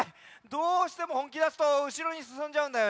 どうしてもほんきだすとうしろにすすんじゃうんだよね。